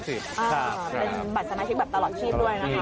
เป็นบัตรสมาชิกแบบตลอดชีพด้วยนะคะ